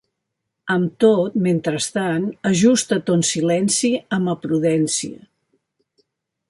Amb tot, mentrestant, ajusta ton silenci a ma prudència.